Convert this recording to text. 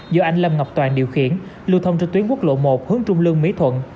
do anh lâm ngọc toàn điều khiển lưu thông trên tuyến quốc lộ một hướng trung lương mỹ thuận